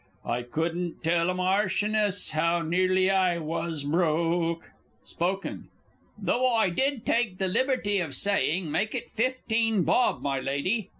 I couldn't tell a Marchioness how nearly I was broke! Spoken Though I did take the liberty of saying: "Make it fifteen bob, my lady!"